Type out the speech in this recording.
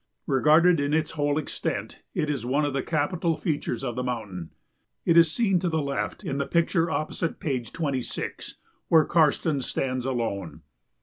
Regarded in its whole extent, it is one of the capital features of the mountain. It is seen to the left in the picture opposite page 26, where Karstens stands alone.